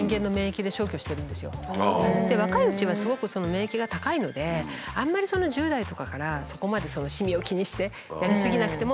若いうちはすごくその免疫が高いのであんまり１０代とかからそこまでシミを気にしてやり過ぎなくても。